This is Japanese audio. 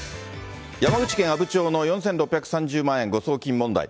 山口県阿武町の４６３０万円誤送金問題。